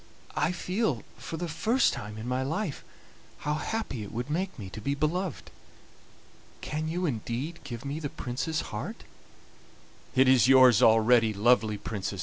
I feel, for the first time in my life, how happy it would make me to be beloved. Can you indeed give me the Prince's heart?" "It is yours already, lovely Princess!"